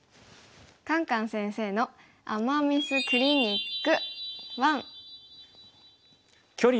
「カンカン先生の“アマ・ミス”クリニック１」。